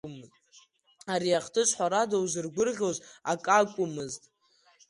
Ари ахҭыс, ҳәарада, узыргәырӷьоз акакәмызт.